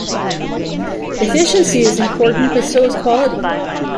Efficiency is important, but so is quality.